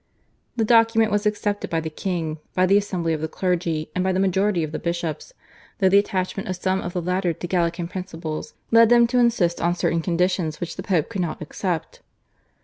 The document was accepted by the king, by the Assembly of the Clergy, and by the majority of the bishops, though the attachment of some of the latter to Gallican principles led them to insist on certain conditions which the Pope could not accept.